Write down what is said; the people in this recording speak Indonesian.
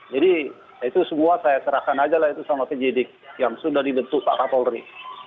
jadi itu semua saya serahkan aja lah itu sama penyidik yang sudah dibentuk pak kapolri